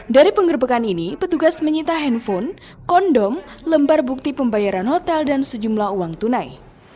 dari pengerebekan ini petugas menyita handphone kondom lembar bukti pembayaran hotel dan sejumlah uang tunai